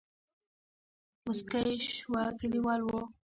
موسکۍ شوه کليوال وو.